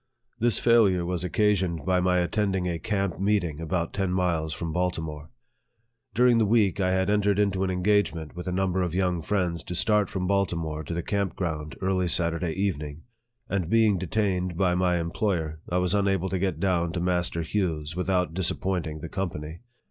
This failure was occasioned by my attending a camp meeting about ten miles from Baltimore. During the week, I had entered into an engagement with a number of young friends to start from Baltimore to the camp ground early Saturday evening ; and being detained by my employer, I was unable to get down to Master Hugh's without disappointing the company.